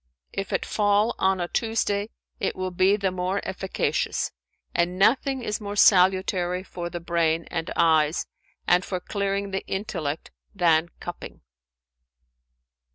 If it fall on a Tuesday, it will be the more efficacious, and nothing is more salutary for the brain and eyes and for clearing the intellect than cupping."